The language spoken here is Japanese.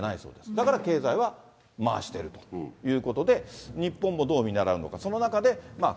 だから経済は回してるということで、日本もどう見習うのか。